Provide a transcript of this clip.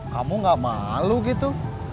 kamu gak malu gitu